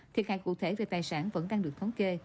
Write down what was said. thiệt hại cụ thể về tài sản vẫn đang được thống kê